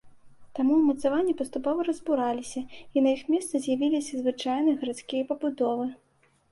Таму ўмацаванні паступова разбураліся і на іх месцы з'явіліся звычайныя гарадскія пабудовы.